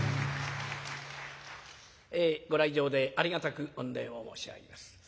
えご来場でありがたく御礼を申し上げます。